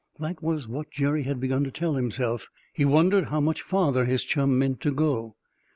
That was what Jerry had begun to tell himself. He wondered how much farther his chum meant to go.